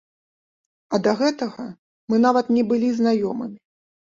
А да гэтага мы нават не былі знаёмымі.